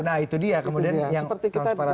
nah itu dia kemudian yang transparansi